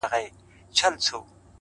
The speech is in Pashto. سیاه پوسي ده- شپه لېونۍ ده-